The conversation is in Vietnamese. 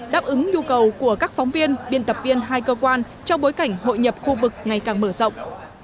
đáp ứng nhu cầu của các phóng viên biên tập viên hai cơ quan trong bối cảnh hội nhập khu vực ngày càng mở rộng